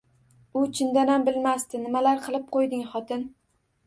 U chindanam bilmasdi. Nimalar qilib qo’yding, xotin?